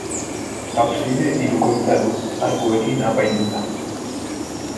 Abside hirukoitza du, arkuekin apainduta.